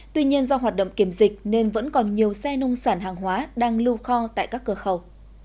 tuy nhiên do hoạt động kiểm dịch nên vẫn còn nhiều xe nông sản hàng hóa đang lưu kho tại các cửa khẩu